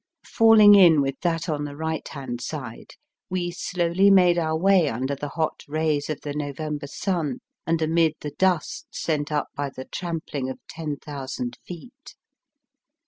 Falling in with that on the right hand side, we slowly made our way under the hot rays of the November sun and amid the dust sent up by the tram pling of 10,000 feet.